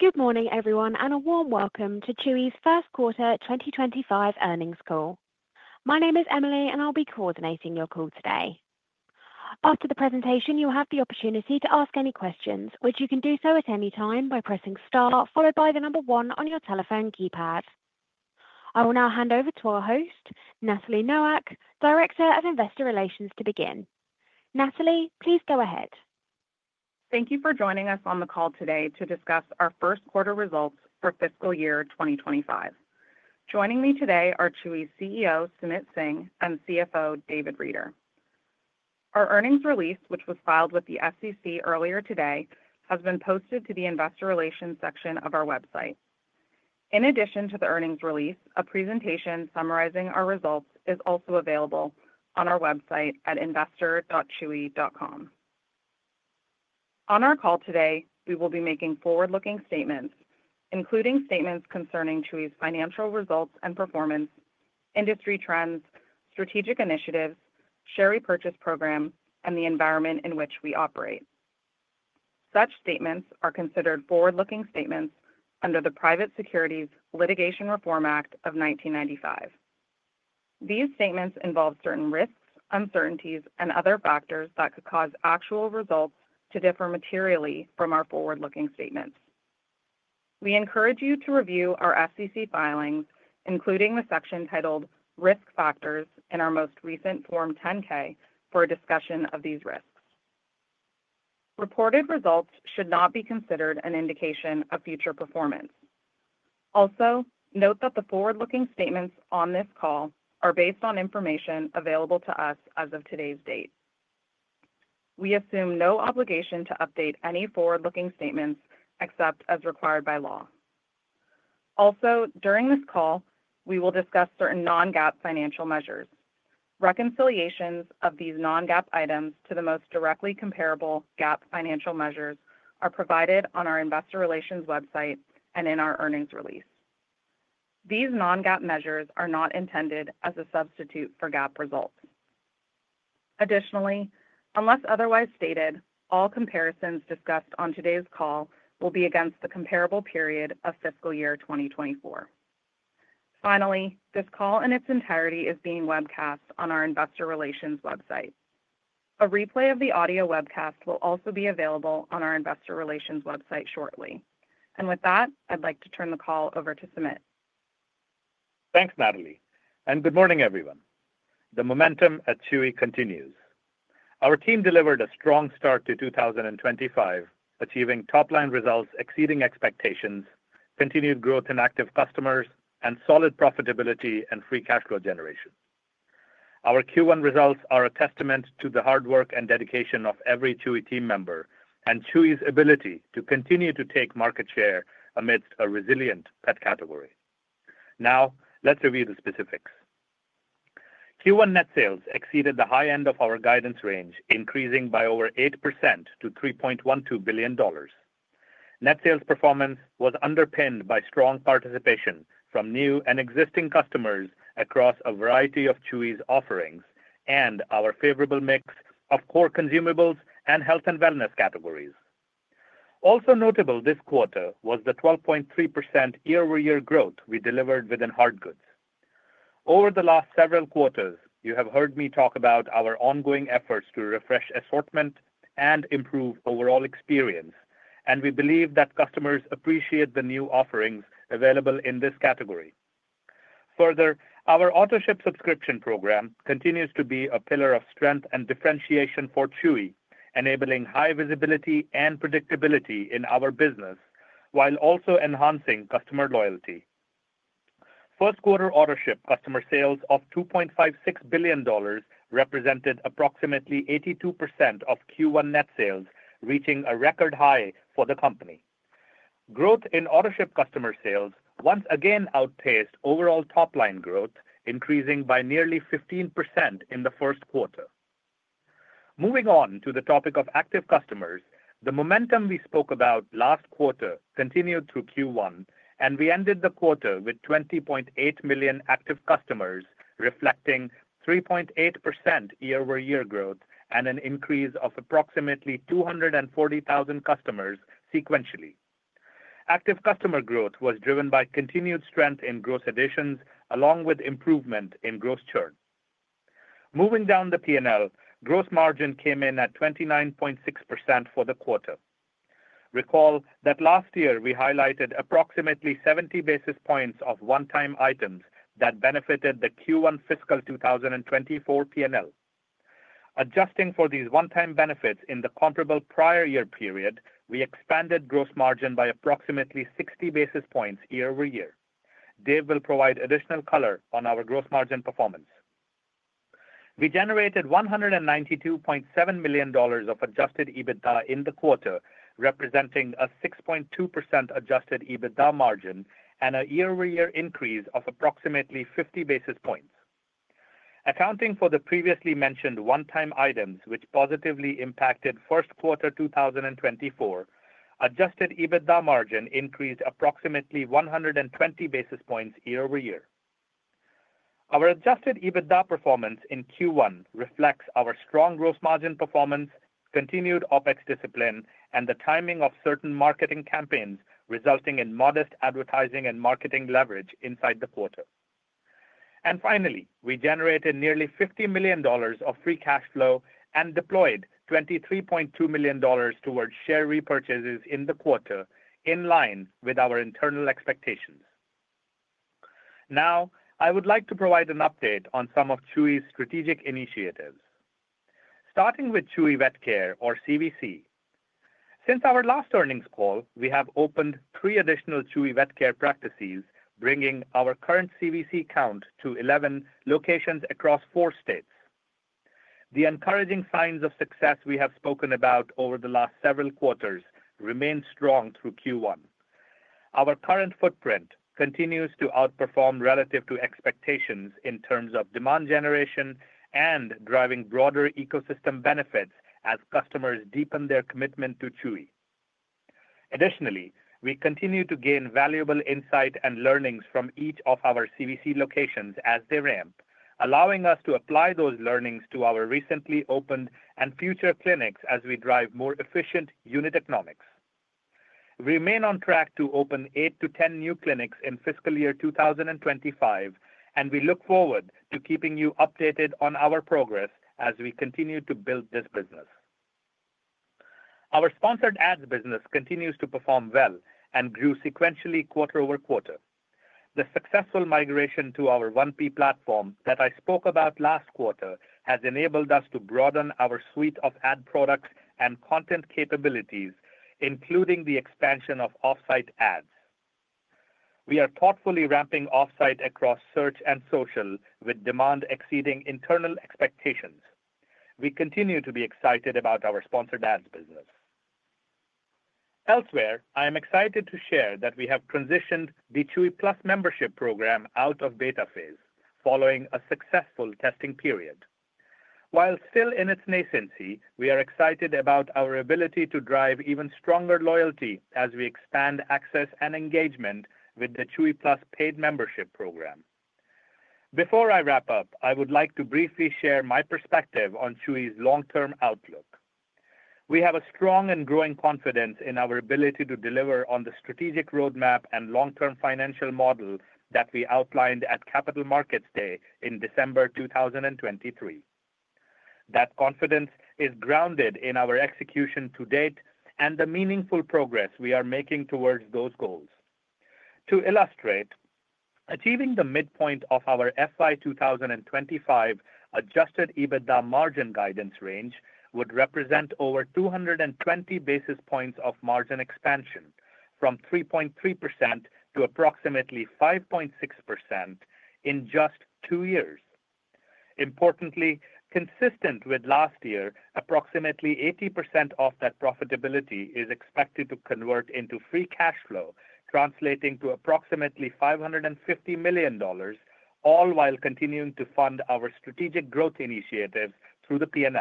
Good morning, everyone, and a warm welcome to Chewy's first quarter 2025 earnings call. My name is Emily, and I'll be coordinating your call today. After the presentation, you'll have the opportunity to ask any questions, which you can do at any time by pressing star, followed by the number one on your telephone keypad. I will now hand over to our host, Natalie Nowak, Director of Investor Relations, to begin. Natalie, please go ahead. Thank you for joining us on the call today to discuss our first quarter results for fiscal year 2025. Joining me today are Chewy's CEO, Sumit Singh, and CFO, David Reeder. Our earnings release, which was filed with the SEC earlier today, has been posted to the Investor Relations section of our website. In addition to the earnings release, a presentation summarizing our results is also available on our website at investor.chewy.com. On our call today, we will be making forward-looking statements, including statements concerning Chewy's financial results and performance, industry trends, strategic initiatives, share repurchase program, and the environment in which we operate. Such statements are considered forward-looking statements under the Private Securities Litigation Reform Act of 1995. These statements involve certain risks, uncertainties, and other factors that could cause actual results to differ materially from our forward-looking statements. We encourage you to review our SEC filings, including the section titled Risk Factors, in our most recent Form 10-K for a discussion of these risks. Reported results should not be considered an indication of future performance. Also, note that the forward-looking statements on this call are based on information available to us as of today's date. We assume no obligation to update any forward-looking statements except as required by law. Also, during this call, we will discuss certain non-GAAP financial measures. Reconciliations of these non-GAAP items to the most directly comparable GAAP financial measures are provided on our Investor Relations website and in our earnings release. These non-GAAP measures are not intended as a substitute for GAAP results. Additionally, unless otherwise stated, all comparisons discussed on today's call will be against the comparable period of fiscal year 2024. Finally, this call in its entirety is being webcast on our Investor Relations website. A replay of the audio webcast will also be available on our Investor Relations website shortly. With that, I'd like to turn the call over to Sumit. Thanks, Emily. Good morning, everyone. The momentum at Chewy continues. Our team delivered a strong start to 2025, achieving top-line results exceeding expectations, continued growth in active customers, and solid profitability and free cash flow generation. Our Q1 results are a testament to the hard work and dedication of every Chewy team member and Chewy's ability to continue to take market share amidst a resilient pet category. Now, let's review the specifics. Q1 net sales exceeded the high end of our guidance range, increasing by over 8% to $3.12 billion. Net sales performance was underpinned by strong participation from new and existing customers across a variety of Chewy's offerings and our favorable mix of core consumables and health and wellness categories. Also notable this quarter was the 12.3% year-over-year growth we delivered within hardgoods. Over the last several quarters, you have heard me talk about our ongoing efforts to refresh assortment and improve overall experience, and we believe that customers appreciate the new offerings available in this category. Further, our Autoship subscription program continues to be a pillar of strength and differentiation for Chewy, enabling high visibility and predictability in our business while also enhancing customer loyalty. First-quarter Autoship customer sales of $2.56 billion represented approximately 82% of Q1 net sales, reaching a record high for the company. Growth in Autoship customer sales once again outpaced overall top-line growth, increasing by nearly 15% in the first quarter. Moving on to the topic of active customers, the momentum we spoke about last quarter continued through Q1, and we ended the quarter with 20.8 million active customers, reflecting 3.8% year-over-year growth and an increase of approximately 240,000 customers sequentially. Active customer growth was driven by continued strength in gross additions, along with improvement in gross churn. Moving down the P&L, gross margin came in at 29.6% for the quarter. Recall that last year we highlighted approximately 70 basis points of one-time items that benefited the Q1 fiscal 2024 P&L. Adjusting for these one-time benefits in the comparable prior year period, we expanded gross margin by approximately 60 basis points year-over-year. Dave will provide additional color on our gross margin performance. We generated $192.7 million of adjusted EBITDA in the quarter, representing a 6.2% adjusted EBITDA margin and a year-over-year increase of approximately 50 basis points. Accounting for the previously mentioned one-time items, which positively impacted first quarter 2024, adjusted EBITDA margin increased approximately 120 basis points year-over-year. Our adjusted EBITDA performance in Q1 reflects our strong gross margin performance, continued OPEX discipline, and the timing of certain marketing campaigns resulting in modest advertising and marketing leverage inside the quarter. Finally, we generated nearly $50 million of free cash flow and deployed $23.2 million towards share repurchases in the quarter, in line with our internal expectations. Now, I would like to provide an update on some of Chewy's strategic initiatives. Starting with Chewy Vet Care, or CVC. Since our last earnings call, we have opened three additional Chewy Vet Care practices, bringing our current CVC count to 11 locations across four states. The encouraging signs of success we have spoken about over the last several quarters remain strong through Q1. Our current footprint continues to outperform relative to expectations in terms of demand generation and driving broader ecosystem benefits as customers deepen their commitment to Chewy. Additionally, we continue to gain valuable insight and learnings from each of our CVC locations as they ramp, allowing us to apply those learnings to our recently opened and future clinics as we drive more efficient unit economics. We remain on track to open 8-10 new clinics in fiscal year 2025, and we look forward to keeping you updated on our progress as we continue to build this business. Our Sponsored Ads business continues to perform well and grew sequentially quarter over quarter. The successful migration to our 1P platform that I spoke about last quarter has enabled us to broaden our suite of ad products and content capabilities, including the expansion of offsite ads. We are thoughtfully ramping offsite across search and social, with demand exceeding internal expectations. We continue to be excited about our Sponsored Ads business. Elsewhere, I am excited to share that we have transitioned the Chewy+ membership program out of beta phase, following a successful testing period. While still in its nascency, we are excited about our ability to drive even stronger loyalty as we expand access and engagement with the Chewy+ paid membership program. Before I wrap up, I would like to briefly share my perspective on Chewy's long-term outlook. We have a strong and growing confidence in our ability to deliver on the strategic roadmap and long-term financial model that we outlined at Capital Markets Day in December 2023. That confidence is grounded in our execution to date and the meaningful progress we are making towards those goals. To illustrate, achieving the midpoint of our FY 2025 adjusted EBITDA margin guidance range would represent over 220 basis points of margin expansion, from 3.3% to approximately 5.6% in just two years. Importantly, consistent with last year, approximately 80% of that profitability is expected to convert into free cash flow, translating to approximately $550 million, all while continuing to fund our strategic growth initiatives through the P&L.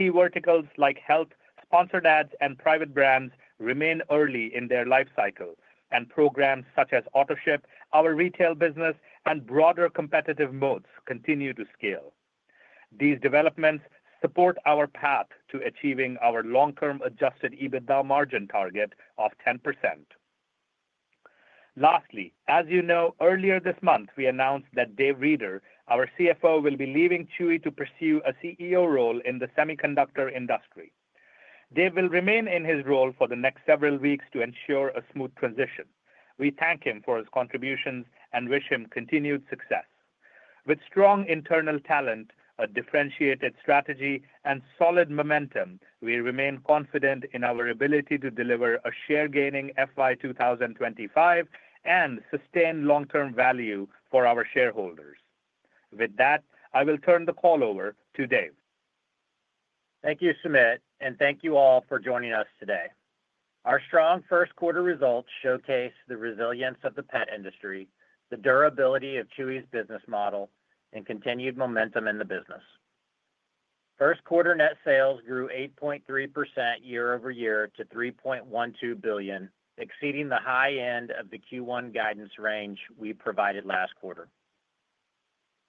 Key verticals like health, Sponsored Ads, and private brands remain early in their life cycle, and programs such as Autoship, our retail business, and broader competitive moats continue to scale. These developments support our path to achieving our long-term adjusted EBITDA margin target of 10%. Lastly, as you know, earlier this month, we announced that Dave Reeder, our CFO, will be leaving Chewy to pursue a CEO role in the semiconductor industry. Dave will remain in his role for the next several weeks to ensure a smooth transition. We thank him for his contributions and wish him continued success. With strong internal talent, a differentiated strategy, and solid momentum, we remain confident in our ability to deliver a share-gaining FY 2025 and sustain long-term value for our shareholders. With that, I will turn the call over to Dave. Thank you, Sumit, and thank you all for joining us today. Our strong first-quarter results showcase the resilience of the pet industry, the durability of Chewy's business model, and continued momentum in the business. First-quarter net sales grew 8.3% year-over-year to $3.12 billion, exceeding the high end of the Q1 guidance range we provided last quarter.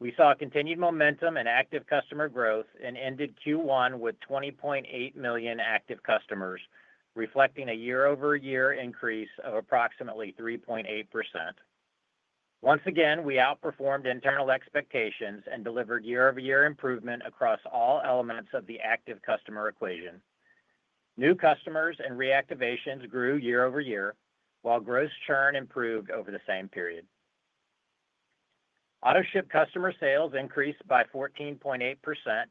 We saw continued momentum and active customer growth and ended Q1 with 20.8 million active customers, reflecting a year-over-year increase of approximately 3.8%. Once again, we outperformed internal expectations and delivered year-over-year improvement across all elements of the active customer equation. New customers and reactivations grew year-over-year, while gross churn improved over the same period. Autoship customer sales increased by 14.8%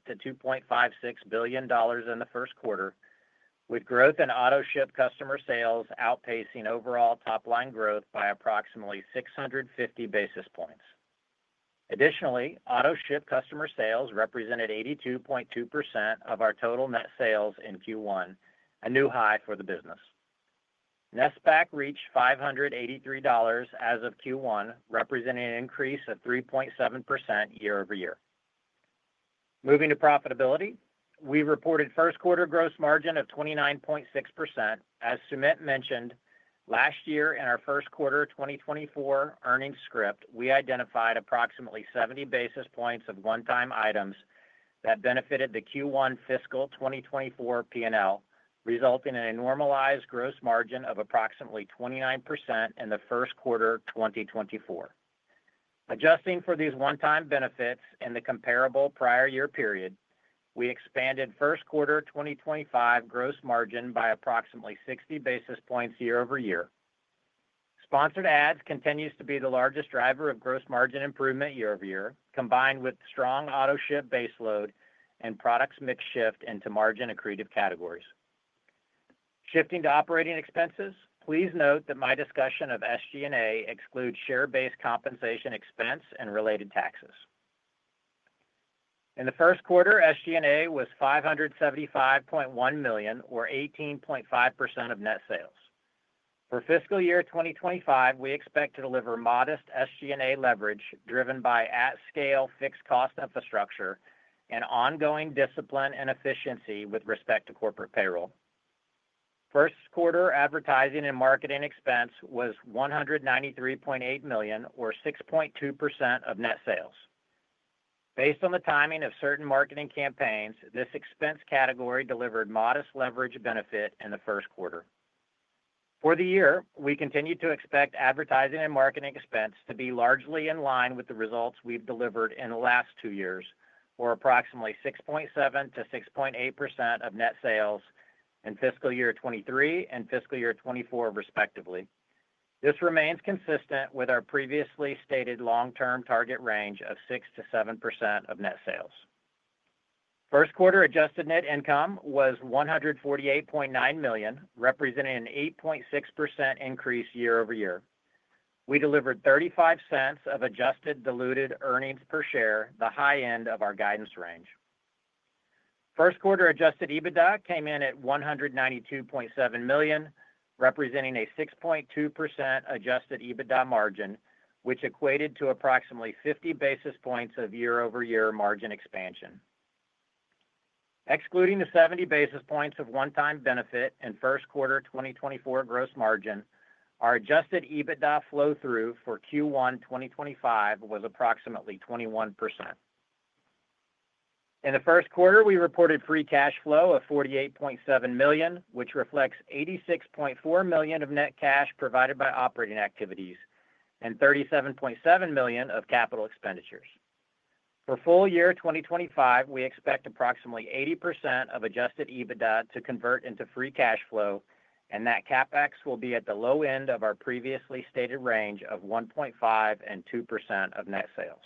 to $2.56 billion in the first quarter, with growth in Autoship customer sales outpacing overall top-line growth by approximately 650 basis points. Additionally, Autoship customer sales represented 82.2% of our total net sales in Q1, a new high for the business. NSPAC reached $583 as of Q1, representing an increase of 3.7% year-over-year. Moving to profitability, we reported first-quarter gross margin of 29.6%. As Sumit mentioned, last year in our first quarter 2024 earnings script, we identified approximately 70 basis points of one-time items that benefited the Q1 fiscal 2024 P&L, resulting in a normalized gross margin of approximately 29% in the first quarter 2024. Adjusting for these one-time benefits in the comparable prior year period, we expanded first quarter 2025 gross margin by approximately 60 basis points year-over-year. Sponsored Ads continues to be the largest driver of gross margin improvement year-over-year, combined with strong Autoship baseload and products mixed shift into margin-accretive categories. Shifting to operating expenses, please note that my discussion of SG&A excludes share-based compensation expense and related taxes. In the first quarter, SG&A was $575.1 million, or 18.5% of net sales. For fiscal year 2025, we expect to deliver modest SG&A leverage driven by at-scale fixed-cost infrastructure and ongoing discipline and efficiency with respect to corporate payroll. First-quarter advertising and marketing expense was $193.8 million, or 6.2% of net sales. Based on the timing of certain marketing campaigns, this expense category delivered modest leverage benefit in the first quarter. For the year, we continue to expect advertising and marketing expense to be largely in line with the results we've delivered in the last two years, or approximately 6.7%-6.8% of net sales in fiscal year 2023 and fiscal year 2024, respectively. This remains consistent with our previously stated long-term target range of 6%-7% of net sales. First-quarter adjusted net income was $148.9 million, representing an 8.6% increase year-over-year. We delivered $0.35 of adjusted diluted earnings per share, the high end of our guidance range. First-quarter adjusted EBITDA came in at $192.7 million, representing a 6.2% adjusted EBITDA margin, which equated to approximately 50 basis points of year-over-year margin expansion. Excluding the 70 basis points of one-time benefit in first quarter 2024 gross margin, our adjusted EBITDA flow-through for Q1 2025 was approximately 21%. In the first quarter, we reported free cash flow of $48.7 million, which reflects $86.4 million of net cash provided by operating activities and $37.7 million of capital expenditures. For full year 2025, we expect approximately 80% of adjusted EBITDA to convert into free cash flow, and that CAPEX will be at the low end of our previously stated range of 1.5%-2% of net sales.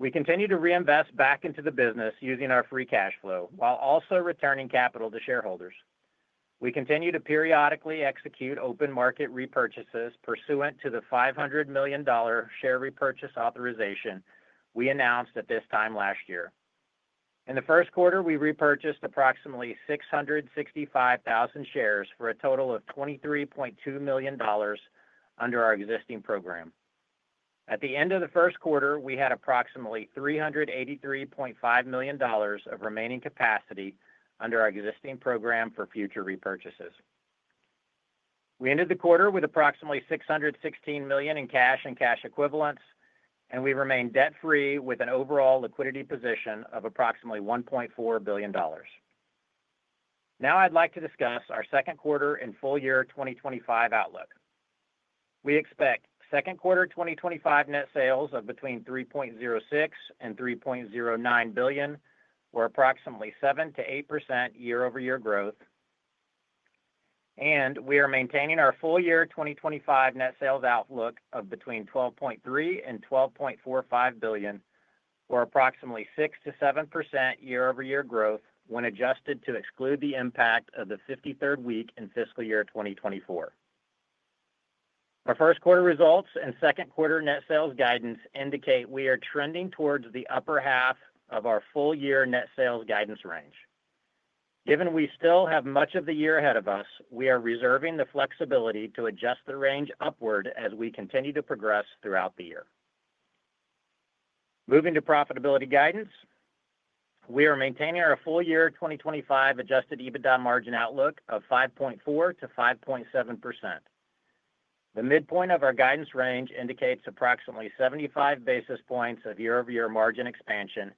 We continue to reinvest back into the business using our free cash flow while also returning capital to shareholders. We continue to periodically execute open market repurchases pursuant to the $500 million share repurchase authorization we announced at this time last year. In the first quarter, we repurchased approximately 665,000 shares for a total of $23.2 million under our existing program. At the end of the first quarter, we had approximately $383.5 million of remaining capacity under our existing program for future repurchases. We ended the quarter with approximately $616 million in cash and cash equivalents, and we remained debt-free with an overall liquidity position of approximately $1.4 billion. Now, I'd like to discuss our second quarter and full year 2025 outlook. We expect second quarter 2025 net sales of between $3.06 billion and $3.09 billion, or approximately 7%-8% year-over-year growth. We are maintaining our full year 2025 net sales outlook of between $12.3 billion and $12.45 billion, or approximately 6%-7% year-over-year growth when adjusted to exclude the impact of the 53rd week in fiscal year 2024. Our first quarter results and second quarter net sales guidance indicate we are trending towards the upper half of our full year net sales guidance range. Given we still have much of the year ahead of us, we are reserving the flexibility to adjust the range upward as we continue to progress throughout the year. Moving to profitability guidance, we are maintaining our full year 2025 adjusted EBITDA margin outlook of 5.4%-5.7%. The midpoint of our guidance range indicates approximately 75 basis points of year-over-year margin expansion.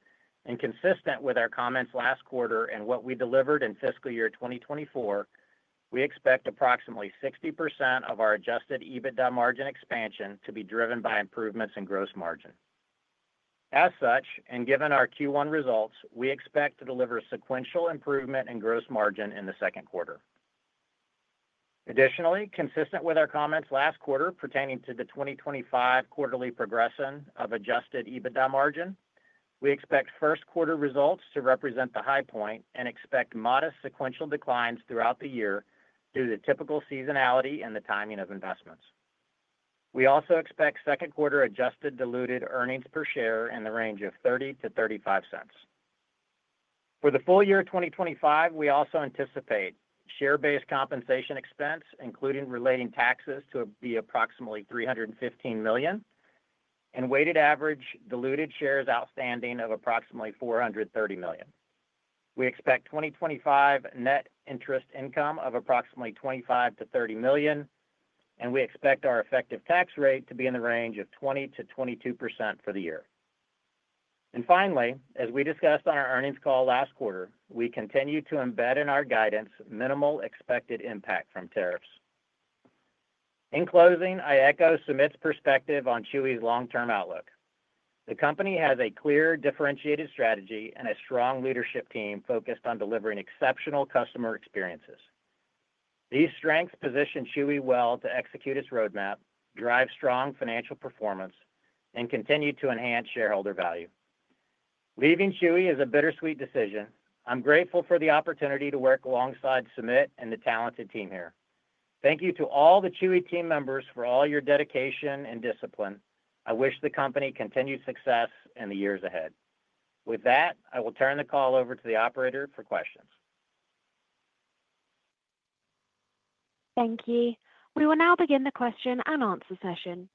Consistent with our comments last quarter and what we delivered in fiscal year 2024, we expect approximately 60% of our adjusted EBITDA margin expansion to be driven by improvements in gross margin. As such, and given our Q1 results, we expect to deliver sequential improvement in gross margin in the second quarter. Additionally, consistent with our comments last quarter pertaining to the 2025 quarterly progression of adjusted EBITDA margin, we expect first quarter results to represent the high point and expect modest sequential declines throughout the year due to the typical seasonality and the timing of investments. We also expect second quarter adjusted diluted earnings per share in the range of $0.30-$0.35. For the full year 2025, we also anticipate share-based compensation expense, including relating taxes, to be approximately $315 million and weighted average diluted shares outstanding of approximately 430 million. We expect 2025 net interest income of approximately $25 million-$30 million, and we expect our effective tax rate to be in the range of 20%-22% for the year. Finally, as we discussed on our earnings call last quarter, we continue to embed in our guidance minimal expected impact from tariffs. In closing, I echo Sumit's perspective on Chewy's long-term outlook. The company has a clear differentiated strategy and a strong leadership team focused on delivering exceptional customer experiences. These strengths position Chewy well to execute its roadmap, drive strong financial performance, and continue to enhance shareholder value. Leaving Chewy is a bittersweet decision. I'm grateful for the opportunity to work alongside Sumit and the talented team here. Thank you to all the Chewy team members for all your dedication and discipline. I wish the company continued success in the years ahead. With that, I will turn the call over to the operator for questions. Thank you. We will now begin the question and answer session.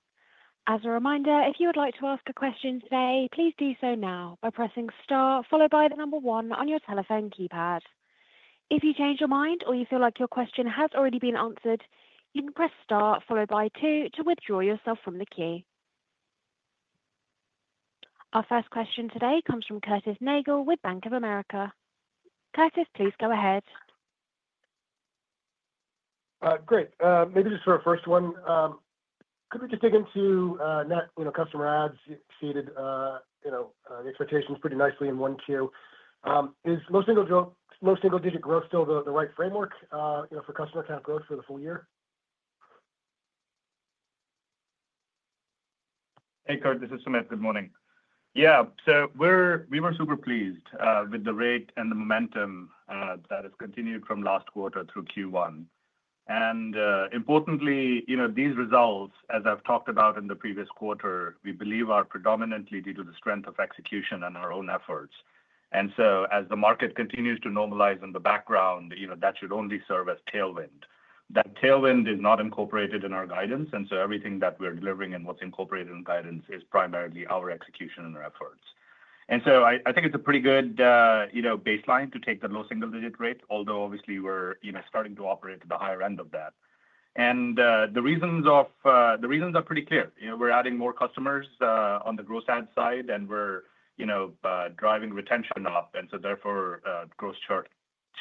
As a reminder, if you would like to ask a question today, please do so now by pressing star, followed by the number one on your telephone keypad. If you change your mind or you feel like your question has already been answered, you can press star, followed by two, to withdraw yourself from the queue. Our first question today comes from Curtis Nagle with Bank of America. Curtis, please go ahead. Great. Maybe just for our first one, could we just dig into net customer adds? Exceeded the expectations pretty nicely in 1Q. Is low single-digit growth still the right framework for customer count growth for the full year? Hey, Curt. This is Sumit. Good morning. Yeah. We were super pleased with the rate and the momentum that has continued from last quarter through Q1. Importantly, these results, as I've talked about in the previous quarter, we believe are predominantly due to the strength of execution and our own efforts. As the market continues to normalize in the background, that should only serve as tailwind. That tailwind is not incorporated in our guidance. Everything that we're delivering and what's incorporated in guidance is primarily our execution and our efforts. I think it's a pretty good baseline to take the low single-digit rate, although obviously we're starting to operate at the higher end of that. The reasons are pretty clear. We're adding more customers on the gross add side, and we're driving retention up. Therefore, gross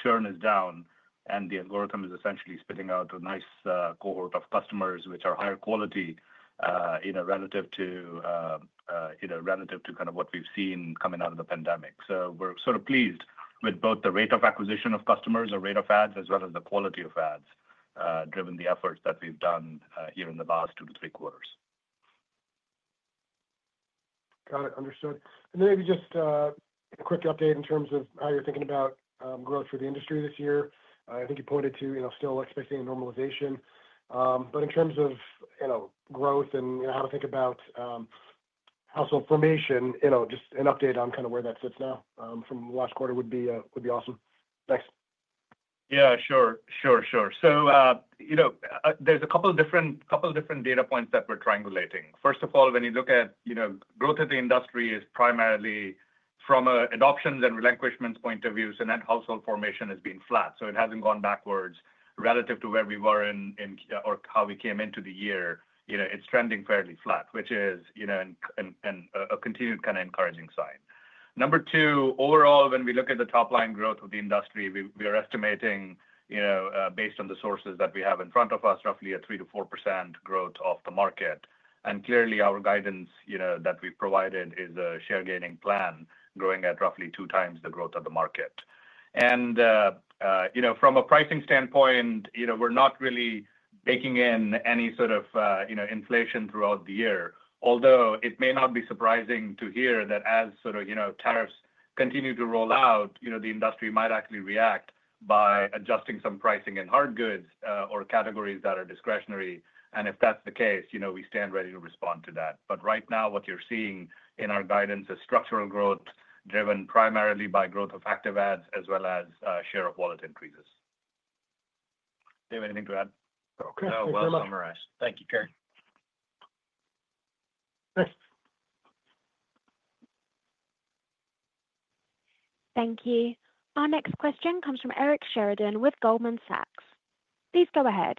churn is down, and the algorithm is essentially spitting out a nice cohort of customers, which are higher quality relative to kind of what we've seen coming out of the pandemic. We are sort of pleased with both the rate of acquisition of customers, the rate of ads, as well as the quality of ads, driven by the efforts that we've done here in the last two to three quarters. Got it. Understood. Maybe just a quick update in terms of how you're thinking about growth for the industry this year. I think you pointed to still expecting a normalization. In terms of growth and how to think about household formation, just an update on kind of where that sits now from last quarter would be awesome. Thanks. Yeah, sure. So there's a couple of different data points that we're triangulating. First of all, when you look at growth of the industry, it's primarily from an adoptions and relinquishments point of view, so net household formation has been flat. It hasn't gone backwards relative to where we were in or how we came into the year. It's trending fairly flat, which is a continued kind of encouraging sign. Number two, overall, when we look at the top-line growth of the industry, we are estimating, based on the sources that we have in front of us, roughly a 3%-4% growth of the market. Clearly, our guidance that we've provided is a share-gaining plan, growing at roughly two times the growth of the market. From a pricing standpoint, we're not really baking in any sort of inflation throughout the year, although it may not be surprising to hear that as sort of tariffs continue to roll out, the industry might actually react by adjusting some pricing in hard goods or categories that are discretionary. If that's the case, we stand ready to respond to that. Right now, what you're seeing in our guidance is structural growth driven primarily by growth of active ads as well as share of wallet increases. Dave, do you have anything to add? Okay. Well summarized. Thank you, Curtis. Thanks. Thank you. Our next question comes from Eric Sheridan with Goldman Sachs. Please go ahead.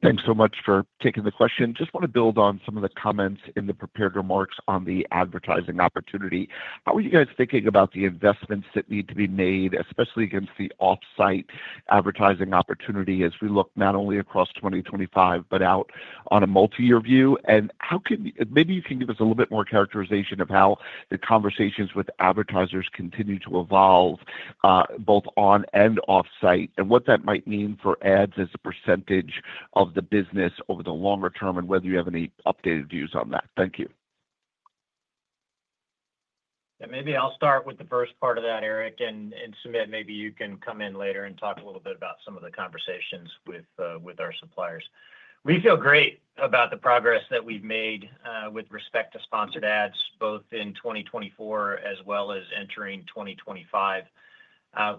Thanks so much for taking the question. Just want to build on some of the comments in the prepared remarks on the advertising opportunity. How are you guys thinking about the investments that need to be made, especially against the off-site advertising opportunity as we look not only across 2025, but out on a multi-year view? Maybe you can give us a little bit more characterization of how the conversations with advertisers continue to evolve both on and off-site and what that might mean for ads as a percentage of the business over the longer term and whether you have any updated views on that. Thank you. Yeah, maybe I'll start with the first part of that, Eric. Sumit, maybe you can come in later and talk a little bit about some of the conversations with our suppliers. We feel great about the progress that we've made with respect to Sponsored Ads, both in 2024 as well as entering 2025.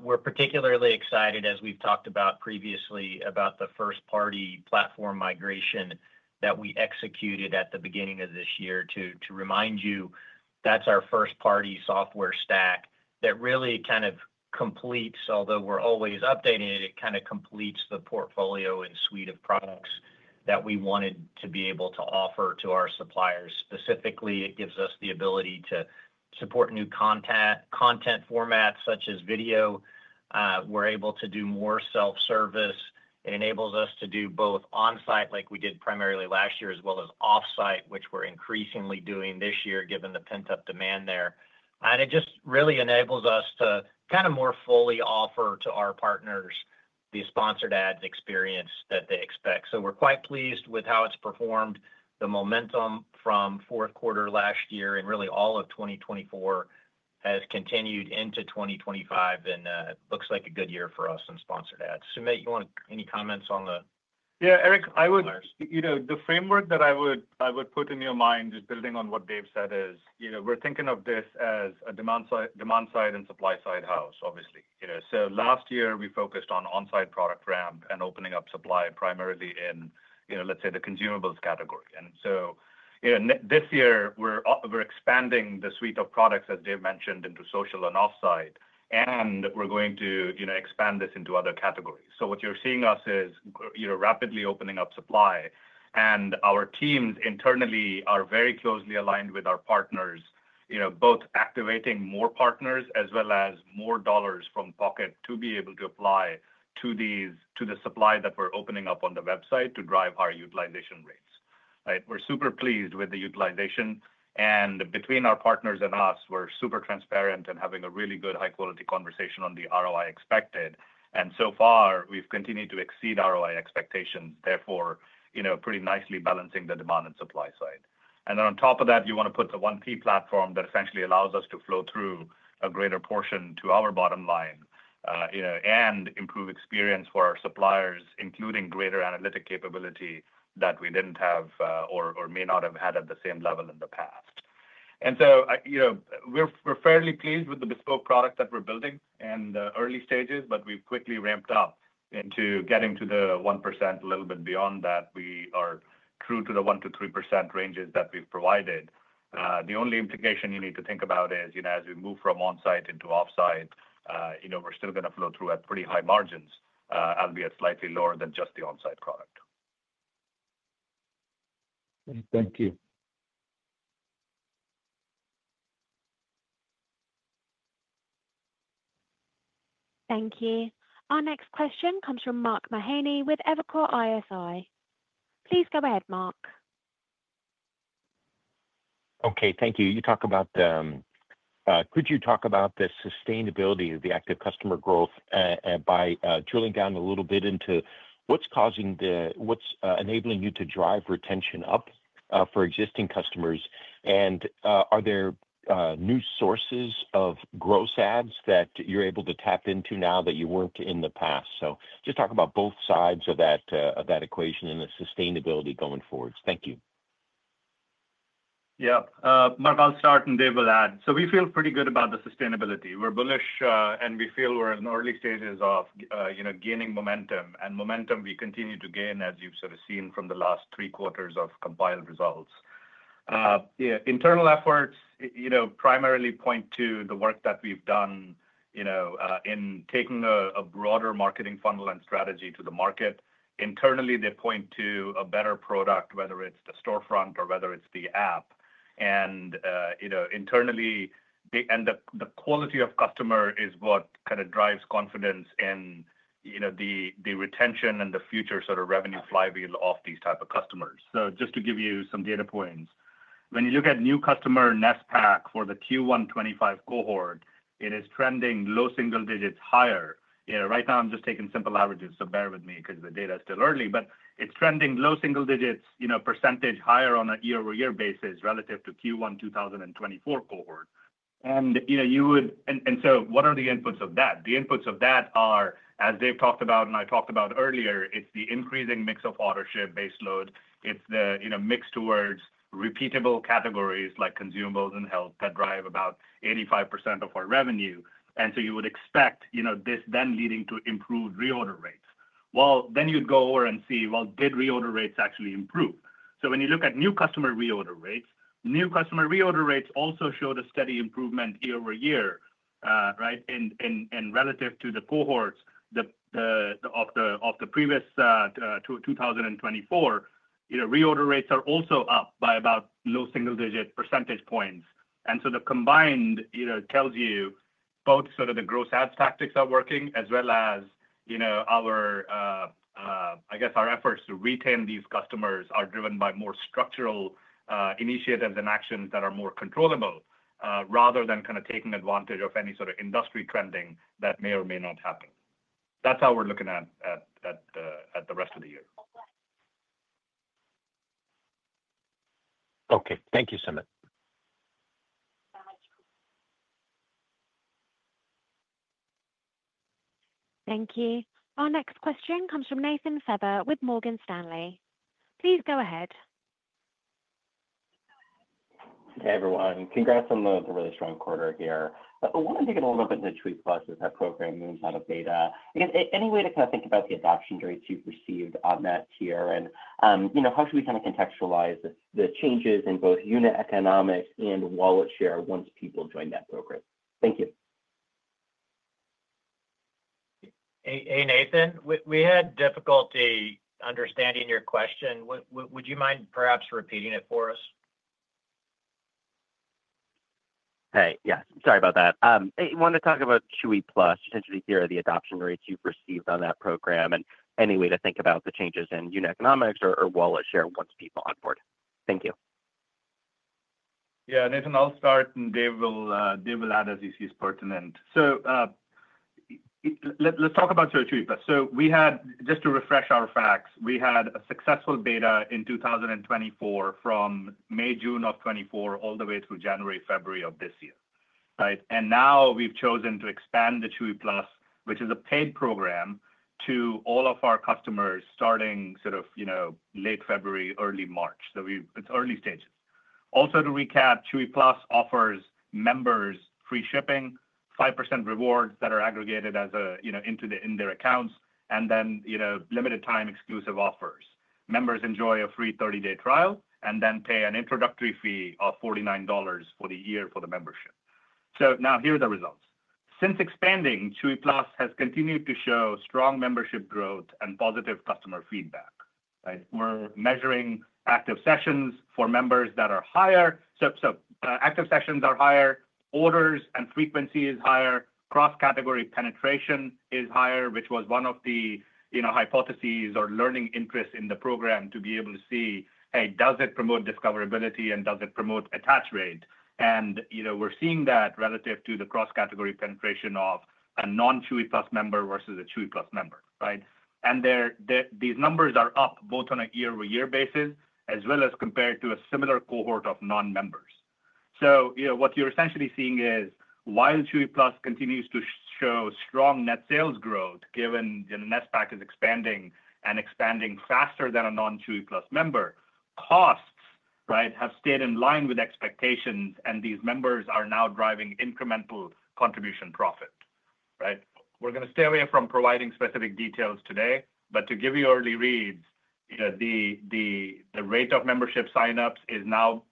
We're particularly excited, as we've talked about previously, about the first-party platform migration that we executed at the beginning of this year. To remind you, that's our first-party software stack that really kind of completes, although we're always updating it, it kind of completes the portfolio and suite of products that we wanted to be able to offer to our suppliers. Specifically, it gives us the ability to support new content formats such as video. We're able to do more self-service. It enables us to do both on-site, like we did primarily last year, as well as off-site, which we're increasingly doing this year given the pent-up demand there. It just really enables us to kind of more fully offer to our partners the Sponsored Ads experience that they expect. We are quite pleased with how it's performed. The momentum from fourth quarter last year and really all of 2024 has continued into 2025, and it looks like a good year for us in Sponsored Ads. Sumit, you want any comments on the. Yeah, Eric, I would, the framework that I would put in your mind is building on what Dave said, is we're thinking of this as a demand-side and supply-side house, obviously. Last year, we focused on on-site product ramp and opening up supply primarily in, let's say, the consumables category. This year, we're expanding the suite of products, as Dave mentioned, into social and off-site, and we're going to expand this into other categories. What you're seeing us is rapidly opening up supply. Our teams internally are very closely aligned with our partners, both activating more partners as well as more dollars from pocket to be able to apply to the supply that we're opening up on the website to drive higher utilization rates. We're super pleased with the utilization. Between our partners and us, we're super transparent and having a really good, high-quality conversation on the ROI expected. So far, we've continued to exceed ROI expectations, therefore pretty nicely balancing the demand and supply side. On top of that, you want to put the one key platform that essentially allows us to flow through a greater portion to our bottom line and improve experience for our suppliers, including greater analytic capability that we didn't have or may not have had at the same level in the past. We're fairly pleased with the bespoke product that we're building in the early stages, but we've quickly ramped up into getting to the 1% a little bit beyond that. We are true to the 1%-3% ranges that we've provided. The only implication you need to think about is as we move from on-site into off-site, we're still going to flow through at pretty high margins, albeit slightly lower than just the on-site product. Thank you. Thank you. Our next question comes from Mark Mahaney with Evercore ISI. Please go ahead, Mark. Okay. Thank you. Could you talk about the sustainability of the active customer growth by drilling down a little bit into what's enabling you to drive retention up for existing customers? And are there new sources of gross ads that you're able to tap into now that you weren't in the past? Just talk about both sides of that equation and the sustainability going forward. Thank you. Yeah. Mark, I'll start and Dave will add. We feel pretty good about the sustainability. We're bullish, and we feel we're in early stages of gaining momentum. Momentum, we continue to gain as you've sort of seen from the last three quarters of compiled results. Internal efforts primarily point to the work that we've done in taking a broader marketing funnel and strategy to the market. Internally, they point to a better product, whether it's the storefront or whether it's the app. Internally, the quality of customer is what kind of drives confidence in the retention and the future sort of revenue flywheel of these type of customers. Just to give you some data points, when you look at new customer NSPAC for the Q1 2025 cohort, it is trending low single digits higher. Right now, I'm just taking simple averages, so bear with me because the data is still early, but it's trending low single digits percentage higher on a year-over-year basis relative to Q1 2024 cohort. What are the inputs of that? The inputs of that are, as Dave talked about and I talked about earlier, it's the increasing mix of Autoship baseload. It's the mix towards repeatable categories like consumables and health that drive about 85% of our revenue. You would expect this then leading to improved reorder rates. You'd go over and see, did reorder rates actually improve? When you look at new customer reorder rates, new customer reorder rates also showed a steady improvement year over year, right? Relative to the cohorts of the previous 2024, reorder rates are also up by about low single-digit percentage points. The combined tells you both sort of the gross ads tactics are working as well as our, I guess, our efforts to retain these customers are driven by more structural initiatives and actions that are more controllable rather than kind of taking advantage of any sort of industry trending that may or may not happen. That's how we're looking at the rest of the year. Okay. Thank you, Sumit. Thank you. Our next question comes from Nathan Feather with Morgan Stanley. Please go ahead. Hey, everyone. Congrats on the really strong quarter here. I want to dig in a little bit into Chewy+ with that program and inside of beta. Any way to kind of think about the adoption rates you've received on that tier? How should we kind of contextualize the changes in both unit economics and wallet share once people join that program? Thank you. Hey, Nathan. We had difficulty understanding your question. Would you mind perhaps repeating it for us? Hey, yes. Sorry about that. I want to talk about Chewy+, potentially here are the adoption rates you've received on that program and any way to think about the changes in unit economics or wallet share once people onboard. Thank you. Yeah. Nathan, I'll start and Dave will add as he sees pertinent. Let's talk about Chewy+. Just to refresh our facts, we had a successful beta in 2024 from May, June of 2024 all the way through January, February of this year, right? Now we've chosen to expand the Chewy+, which is a paid program, to all of our customers starting sort of late February, early March. It's early stages. Also to recap, Chewy+ offers members free shipping, 5% rewards that are aggregated into their accounts, and then limited-time exclusive offers. Members enjoy a free 30-day trial and then pay an introductory fee of $49 for the year for the membership. Now here are the results. Since expanding, Chewy+ has continued to show strong membership growth and positive customer feedback, right? We're measuring active sessions for members that are higher. Active sessions are higher, orders and frequency is higher, cross-category penetration is higher, which was one of the hypotheses or learning interests in the program to be able to see, hey, does it promote discoverability and does it promote attach rate? We are seeing that relative to the cross-category penetration of a non-Chewy+ member versus a Chewy+ member, right? These numbers are up both on a year-over-year basis as well as compared to a similar cohort of non-members. What you are essentially seeing is while Chewy+ continues to show strong net sales growth given NSPAC is expanding and expanding faster than a non-Chewy+ member, costs, right, have stayed in line with expectations, and these members are now driving incremental contribution profit, right? We're going to stay away from providing specific details today, but to give you early reads, the rate of membership sign-ups is now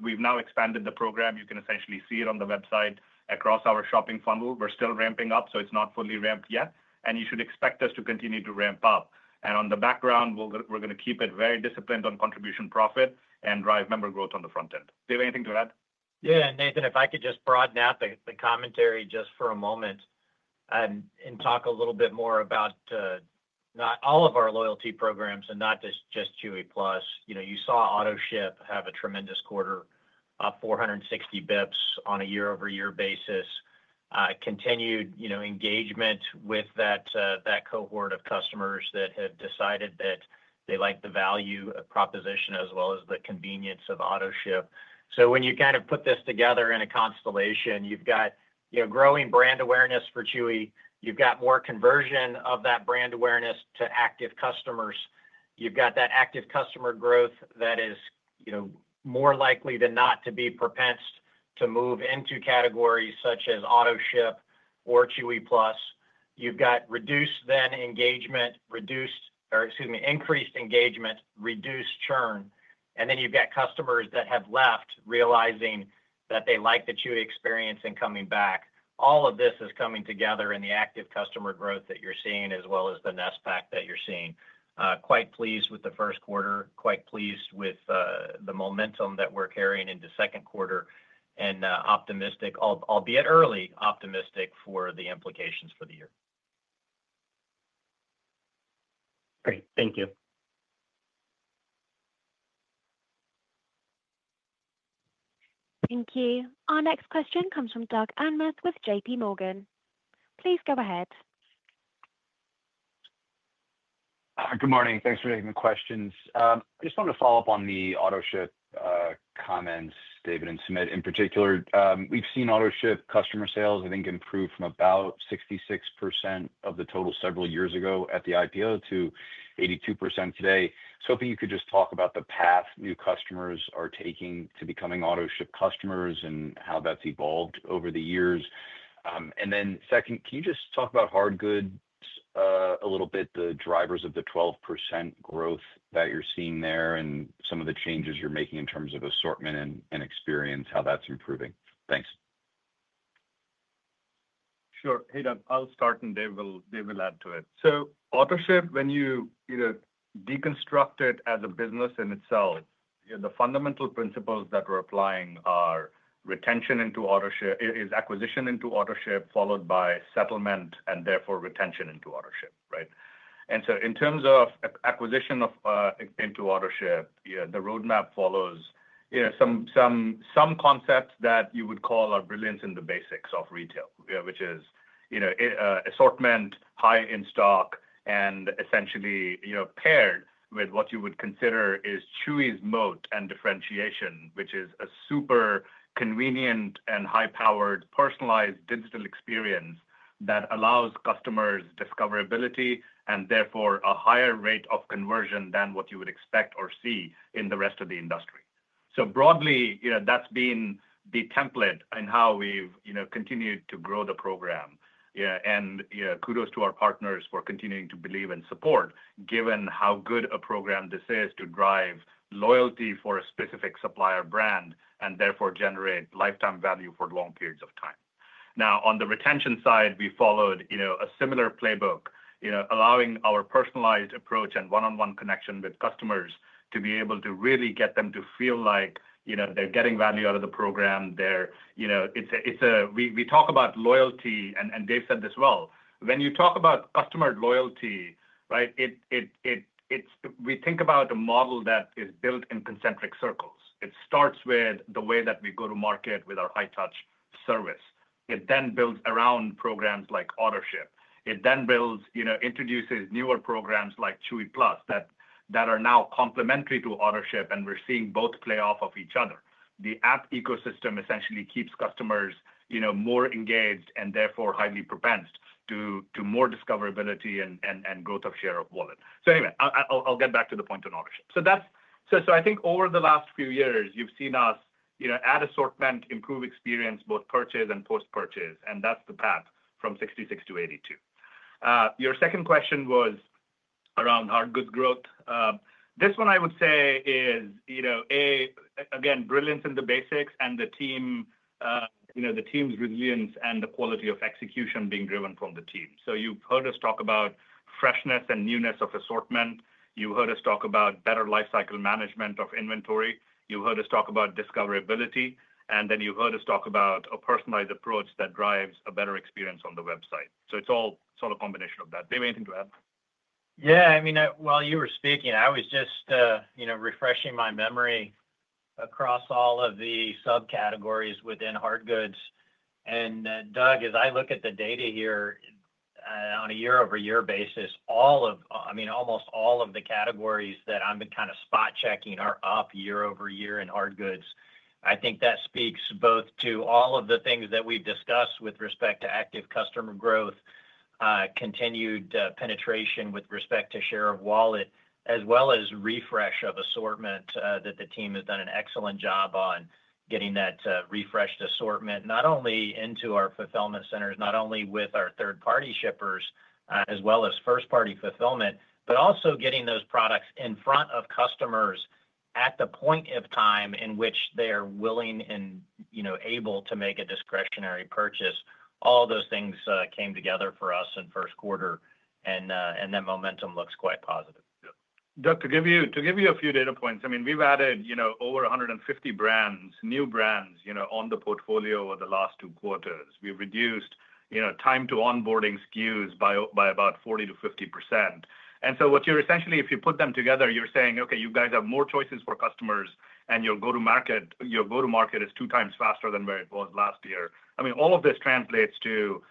we've now expanded the program. You can essentially see it on the website across our shopping funnel. We're still ramping up, so it's not fully ramped yet, and you should expect us to continue to ramp up. In the background, we're going to keep it very disciplined on contribution profit and drive member growth on the front end. Dave, anything to add? Yeah. Nathan, if I could just broaden out the commentary just for a moment and talk a little bit more about not all of our loyalty programs and not just Chewy+. You saw Autoship have a tremendous quarter of 460 basis points on a year-over-year basis, continued engagement with that cohort of customers that have decided that they like the value proposition as well as the convenience of Autoship. When you kind of put this together in a constellation, you have got growing brand awareness for Chewy. You have got more conversion of that brand awareness to active customers. You have got that active customer growth that is more likely than not to be propensed to move into categories such as Autoship or Chewy+. You have got reduced then engagement, reduced or excuse me, increased engagement, reduced churn. You have customers that have left realizing that they like the Chewy experience and coming back. All of this is coming together in the active customer growth that you're seeing as well as the NSPAC that you're seeing. Quite pleased with the first quarter, quite pleased with the momentum that we're carrying into second quarter, and optimistic, albeit early optimistic for the implications for the year. Great. Thank you. Thank you. Our next question comes from Doug Anmuth with JPMorgan. Please go ahead. Good morning. Thanks for taking the questions. I just want to follow up on the Autoship comments, David and Sumit. In particular, we've seen Autoship customer sales, I think, improve from about 66% of the total several years ago at the IPO to 82% today. Hoping you could just talk about the path new customers are taking to becoming Autoship customers and how that's evolved over the years. Second, can you just talk about hardgoods a little bit, the drivers of the 12% growth that you're seeing there and some of the changes you're making in terms of assortment and experience, how that's improving? Thanks. Sure. Hey, Doug, I'll start and Dave will add to it. So Autoship, when you deconstruct it as a business in itself, the fundamental principles that we're applying are retention into Autoship is acquisition into Autoship followed by settlement and therefore retention into Autoship, right? And so in terms of acquisition into Autoship, the roadmap follows some concepts that you would call our brilliance in the basics of retail, which is assortment, high in stock, and essentially paired with what you would consider is Chewy's moat and differentiation, which is a super convenient and high-powered personalized digital experience that allows customers discoverability and therefore a higher rate of conversion than what you would expect or see in the rest of the industry. Broadly, that's been the template and how we've continued to grow the program. Kudos to our partners for continuing to believe and support given how good a program this is to drive loyalty for a specific supplier brand and therefore generate lifetime value for long periods of time. Now, on the retention side, we followed a similar playbook, allowing our personalized approach and one-on-one connection with customers to be able to really get them to feel like they're getting value out of the program. We talk about loyalty, and Dave said this well. When you talk about customer loyalty, right, we think about a model that is built in concentric circles. It starts with the way that we go to market with our high-touch service. It then builds around programs like Autoship. It then introduces newer programs like Chewy+ that are now complementary to Autoship, and we're seeing both play off of each other. The app ecosystem essentially keeps customers more engaged and therefore highly propensed to more discoverability and growth of share of wallet. Anyway, I'll get back to the point on Autoship. I think over the last few years, you've seen us add assortment, improve experience, both purchase and post-purchase, and that's the path from 66 to 82. Your second question was around hardgood growth. This one, I would say, is A, again, brilliance in the basics and the team's resilience and the quality of execution being driven from the team. You've heard us talk about freshness and newness of assortment. You heard us talk about better lifecycle management of inventory. You heard us talk about discoverability, and then you heard us talk about a personalized approach that drives a better experience on the website. It's all a combination of that. Dave, anything to add? Yeah. I mean, while you were speaking, I was just refreshing my memory across all of the subcategories within hardgoods. Doug, as I look at the data here on a year-over-year basis, I mean, almost all of the categories that I've been kind of spot-checking are up year-over-year in hard goods. I think that speaks both to all of the things that we've discussed with respect to active customer growth, continued penetration with respect to share of wallet, as well as refresh of assortment that the team has done an excellent job on getting that refreshed assortment not only into our fulfillment centers, not only with our third-party shippers as well as first-party fulfillment, but also getting those products in front of customers at the point of time in which they are willing and able to make a discretionary purchase. All of those things came together for us in first quarter, and that momentum looks quite positive. Doug, to give you a few data points, I mean, we've added over 150 new brands on the portfolio over the last two quarters. We've reduced time-to-onboarding SKUs by about 40%-50%. What you're essentially, if you put them together, you're saying, "Okay, you guys have more choices for customers, and your go-to-market is two times faster than where it was last year." I mean, all of this translates to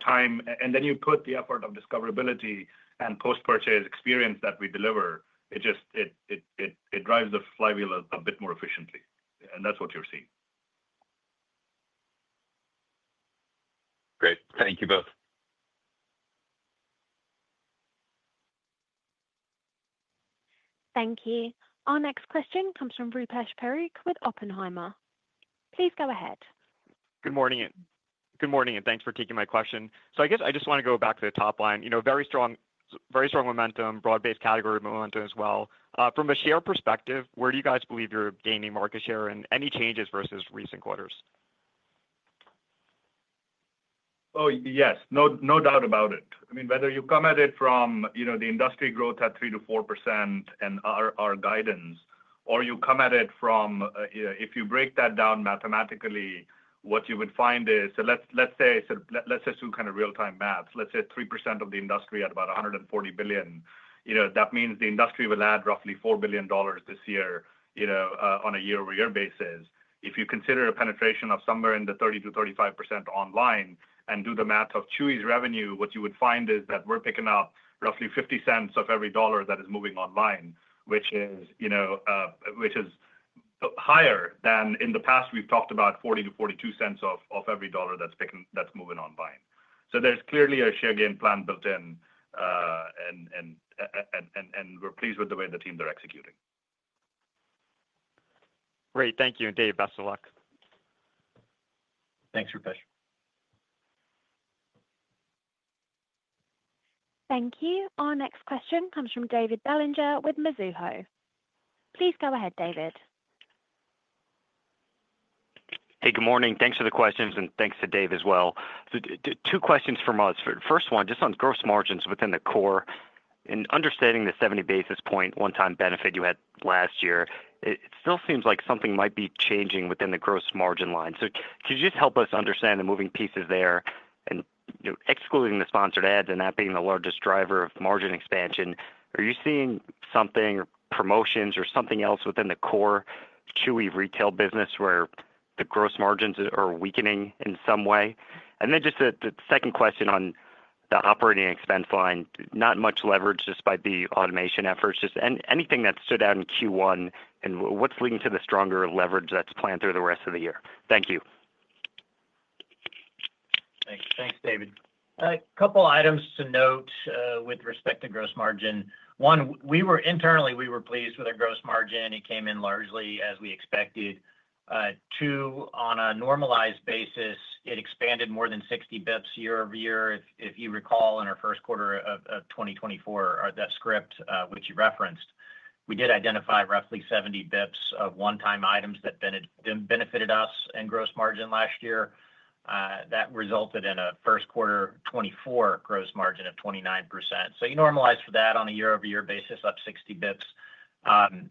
time, and then you put the effort of discoverability and post-purchase experience that we deliver. It drives the flywheel a bit more efficiently, and that's what you're seeing. Great. Thank you both. Thank you. Our next question comes from Rupesh Parikh with Oppenheimer. Please go ahead. Good morning, and thanks for taking my question. I guess I just want to go back to the top line. Very strong momentum, broad-based category momentum as well. From a share perspective, where do you guys believe you're gaining market share and any changes versus recent quarters? Oh, yes. No doubt about it. I mean, whether you come at it from the industry growth at 3%-4% and our guidance, or you come at it from if you break that down mathematically, what you would find is, so let's say, let's just do kind of real-time maths. Let's say 3% of the industry at about $140 billion. That means the industry will add roughly $4 billion this year on a year-over-year basis. If you consider a penetration of somewhere in the 30%-35% online and do the math of Chewy's revenue, what you would find is that we're picking up roughly $0.50 of every dollar that is moving online, which is higher than in the past we've talked about $0.40-$0.42 cents of every dollar that's moving online. There's clearly a share gain plan built in, and we're pleased with the way the teams are executing. Great. Thank you, and Dave, best of luck. Thanks, Rupesh. Thank you. Our next question comes from David Bellinger with Mizuho. Please go ahead, David. Hey, good morning. Thanks for the questions, and thanks to Dave as well. Two questions from us. First one, just on gross margins within the core. In understanding the 70 basis point one-time benefit you had last year, it still seems like something might be changing within the gross margin line. Could you just help us understand the moving pieces there? Excluding the Sponsored Ads and that being the largest driver of margin expansion, are you seeing something or promotions or something else within the core Chewy retail business where the gross margins are weakening in some way? The second question on the operating expense line, not much leverage despite the automation efforts. Anything that stood out in Q1 and what's leading to the stronger leverage that's planned through the rest of the year? Thank you. Thanks, David. A couple of items to note with respect to gross margin. One, internally, we were pleased with our gross margin. It came in largely as we expected. Two, on a normalized basis, it expanded more than 60 basis points year-over-year, if you recall, in our first quarter of 2024, that script which you referenced. We did identify roughly 70 basis points of one-time items that benefited us in gross margin last year. That resulted in a first quarter 2024 gross margin of 29%. So you normalize for that on a year-over-year basis of 60 basis points.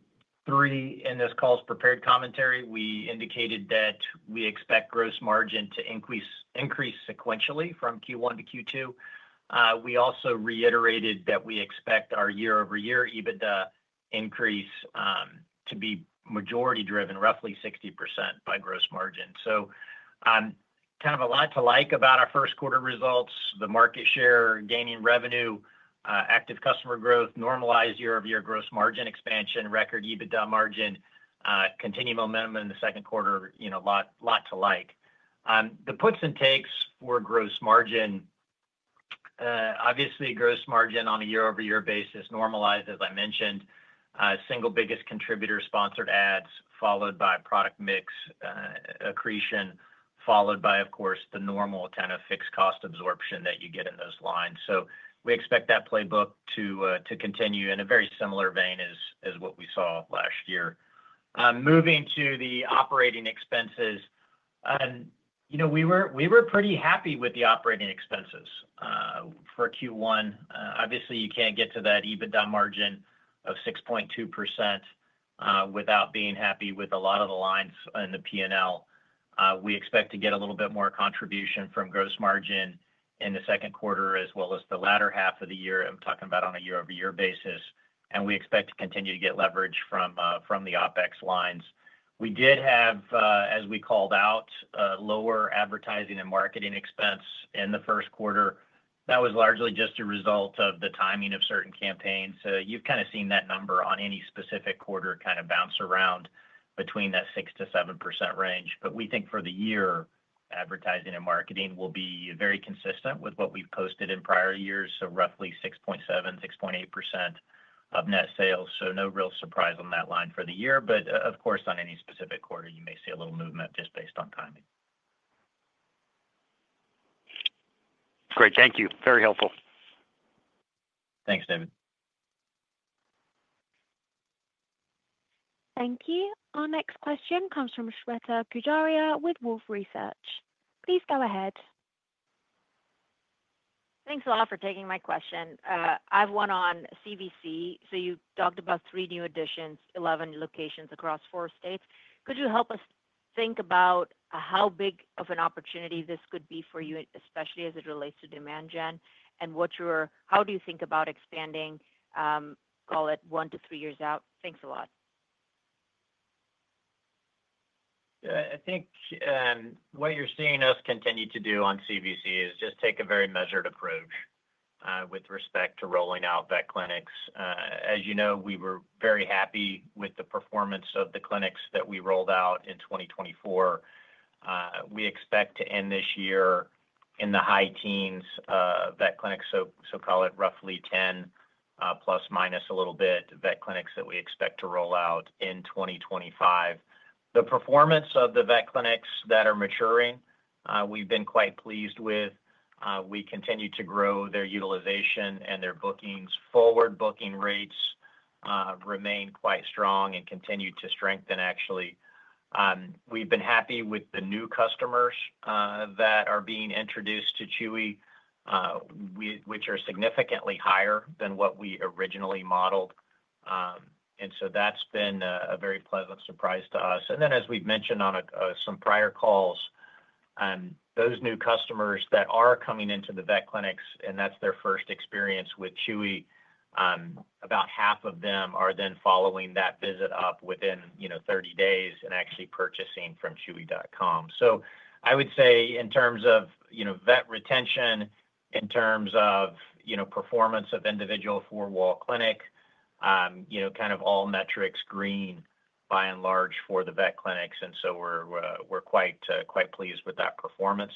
Three, in this call's prepared commentary, we indicated that we expect gross margin to increase sequentially from Q1 to Q2. We also reiterated that we expect our year-over-year EBITDA increase to be majority-driven, roughly 60% by gross margin. Kind of a lot to like about our first quarter results, the market share gaining revenue, active customer growth, normalized year-over-year gross margin expansion, record EBITDA margin, continued momentum in the second quarter, a lot to like. The puts and takes were gross margin. Obviously, gross margin on a year-over-year basis normalized, as I mentioned, single biggest contributor Sponsored Ads followed by product mix accretion followed by, of course, the normal kind of fixed cost absorption that you get in those lines. We expect that playbook to continue in a very similar vein as what we saw last year. Moving to the operating expenses, we were pretty happy with the operating expenses for Q1. Obviously, you can't get to that EBITDA margin of 6.2% without being happy with a lot of the lines in the P&L. We expect to get a little bit more contribution from gross margin in the second quarter as well as the latter half of the year. I'm talking about on a year-over-year basis. We expect to continue to get leverage from the OpEx lines. We did have, as we called out, lower advertising and marketing expense in the first quarter. That was largely just a result of the timing of certain campaigns. You have kind of seen that number on any specific quarter kind of bounce around between that 6%-7% range. We think for the year, advertising and marketing will be very consistent with what we have posted in prior years, so roughly 6.7%-6.8% of net sales. No real surprise on that line for the year. Of course, on any specific quarter, you may see a little movement just based on timing. Great. Thank you. Very helpful. Thanks, David. Thank you. Our next question comes from Shweta Gujaria with Wolfe Research. Please go ahead. Thanks a lot for taking my question. I have one on CVC. You talked about three new additions, 11 locations across four states. Could you help us think about how big of an opportunity this could be for you, especially as it relates to demand gen? How do you think about expanding, call it one to three years out? Thanks a lot. I think what you're seeing us continue to do on CVC is just take a very measured approach with respect to rolling out vet clinics. As you know, we were very happy with the performance of the clinics that we rolled out in 2024. We expect to end this year in the high teens of vet clinics, so call it roughly 10± a little bit vet clinics that we expect to roll out in 2025. The performance of the vet clinics that are maturing, we've been quite pleased with. We continue to grow their utilization and their bookings. Forward booking rates remain quite strong and continue to strengthen, actually. We've been happy with the new customers that are being introduced to Chewy, which are significantly higher than what we originally modeled. That has been a very pleasant surprise to us. As we've mentioned on some prior calls, those new customers that are coming into the vet clinics, and that's their first experience with Chewy, about half of them are then following that visit up within 30 days and actually purchasing from chewy.com. I would say in terms of vet retention, in terms of performance of individual four-wall clinic, kind of all metrics green by and large for the vet clinics. We're quite pleased with that performance.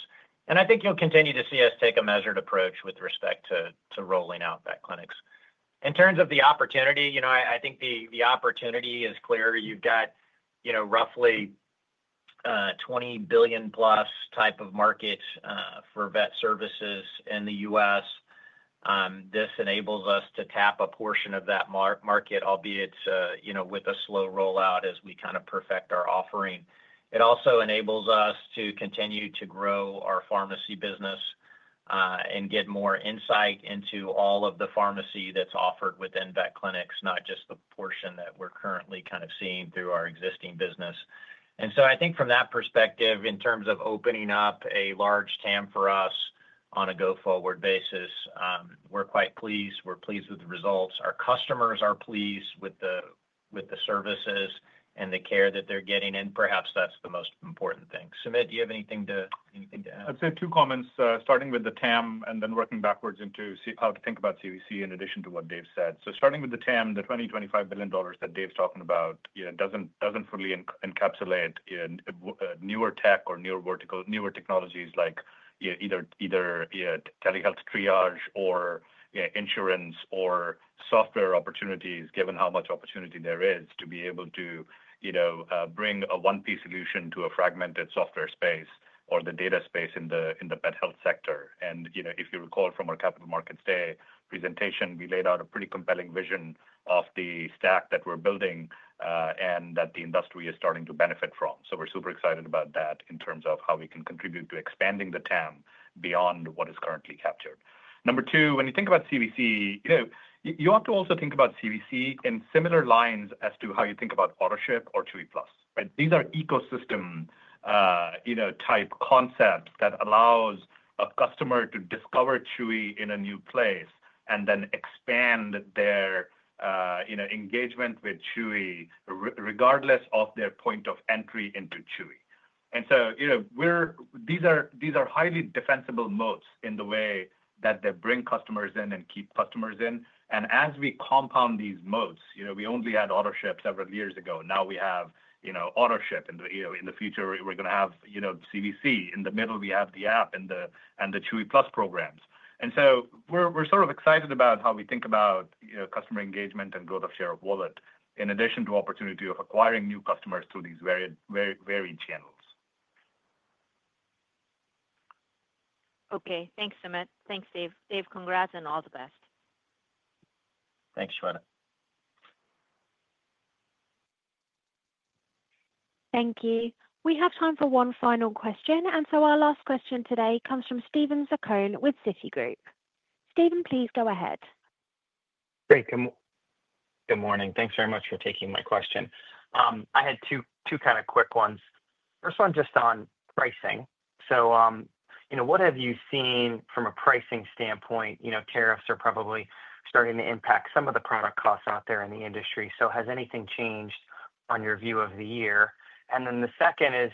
I think you'll continue to see us take a measured approach with respect to rolling out vet clinics. In terms of the opportunity, I think the opportunity is clear. You've got roughly $20 billion-plus type of market for vet services in the U.S. This enables us to tap a portion of that market, albeit with a slow rollout as we kind of perfect our offering. It also enables us to continue to grow our pharmacy business and get more insight into all of the pharmacy that's offered within vet clinics, not just the portion that we're currently kind of seeing through our existing business. I think from that perspective, in terms of opening up a large TAM for us on a go-forward basis, we're quite pleased. We're pleased with the results. Our customers are pleased with the services and the care that they're getting. Perhaps that's the most important thing. Sumit, do you have anything to add? I'd say two comments, starting with the TAM and then working backwards into how to think about CVC in addition to what Dave said. Starting with the TAM, the $20-$25 billion that Dave's talking about doesn't fully encapsulate newer tech or newer technologies like either telehealth triage or insurance or software opportunities, given how much opportunity there is to be able to bring a one-piece solution to a fragmented software space or the data space in the pet health sector. If you recall from our Capital Markets Day presentation, we laid out a pretty compelling vision of the stack that we're building and that the industry is starting to benefit from. We're super excited about that in terms of how we can contribute to expanding the TAM beyond what is currently captured. Number two, when you think about CVC, you have to also think about CVC in similar lines as to how you think about Autoship or Chewy+. These are ecosystem-type concepts that allow a customer to discover Chewy in a new place and then expand their engagement with Chewy regardless of their point of entry into Chewy. These are highly defensible moats in the way that they bring customers in and keep customers in. As we compound these moats, we only had Autoship several years ago. Now we have Autoship. In the future, we're going to have CVC. In the middle, we have the app and the Chewy+ programs. We are sort of excited about how we think about customer engagement and growth of share of wallet in addition to opportunity of acquiring new customers through these varied channels. Okay. Thanks, Sumit. Thanks, Dave. Dave, congrats and all the best. Thanks, Shweta. Thank you. We have time for one final question. Our last question today comes from Steven Zaccone with Citigroup. Stephen, please go ahead. Great. Good morning. Thanks very much for taking my question. I had two kind of quick ones. First one just on pricing. What have you seen from a pricing standpoint? Tariffs are probably starting to impact some of the product costs out there in the industry. Has anything changed on your view of the year? The second is,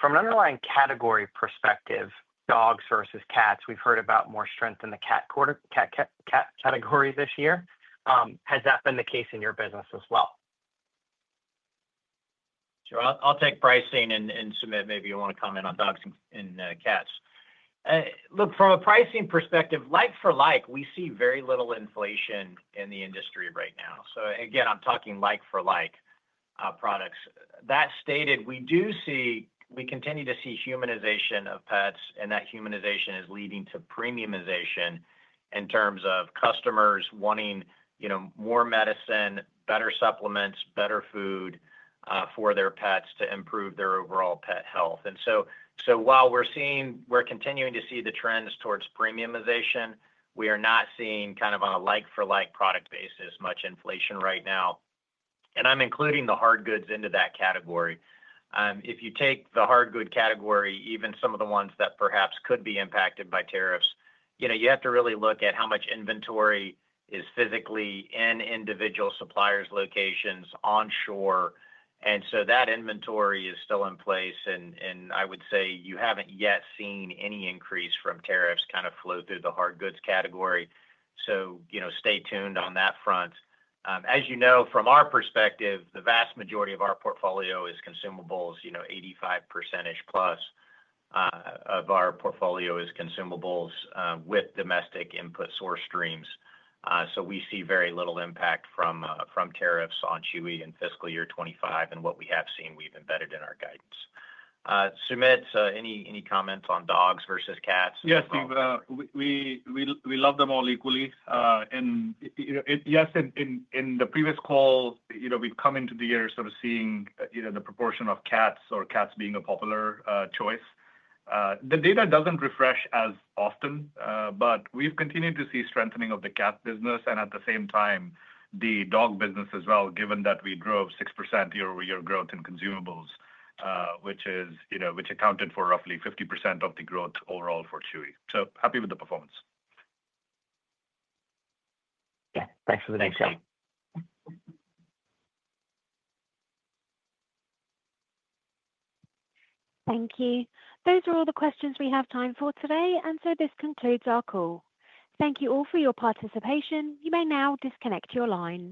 from an underlying category perspective, dogs versus cats, we've heard about more strength in the cat category this year. Has that been the case in your business as well? I'll take pricing and Sumit, maybe you want to comment on dogs and cats. Look, from a pricing perspective, like for like, we see very little inflation in the industry right now. Again, I'm talking like for like products. That stated, we continue to see humanization of pets, and that humanization is leading to premiumization in terms of customers wanting more medicine, better supplements, better food for their pets to improve their overall pet health. While we're continuing to see the trends towards premiumization, we are not seeing, kind of on a like for like product basis, much inflation right now. I'm including the hardgoods into that category. If you take the hardgoods category, even some of the ones that perhaps could be impacted by tariffs, you have to really look at how much inventory is physically in individual suppliers' locations on shore. That inventory is still in place. I would say you have not yet seen any increase from tariffs kind of flow through the hardgoods category. Stay tuned on that front. As you know, from our perspective, the vast majority of our portfolio is consumables, 85%+ of our portfolio is consumables with domestic input source streams. We see very little impact from tariffs on Chewy in fiscal year 2025 and what we have seen we have embedded in our guidance. Sumit, any comments on dogs versus cats? Yes, Steve. We love them all equally. Yes, in the previous call, we've come into the year sort of seeing the proportion of cats or cats being a popular choice. The data does not refresh as often, but we've continued to see strengthening of the cat business. At the same time, the dog business as well, given that we drove 6% year-over-year growth in consumables, which accounted for roughly 50% of the growth overall for Chewy. Happy with the performance. Yeah. Thanks for the detail. Thank you. Those are all the questions we have time for today. This concludes our call. Thank you all for your participation. You may now disconnect your line.